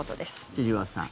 千々岩さん